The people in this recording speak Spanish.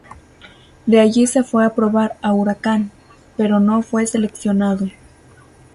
De allí se fue a probar a Huracán, pero no fue seleccionado.